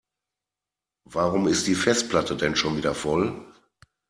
Warum ist die Festplatte denn schon wieder voll?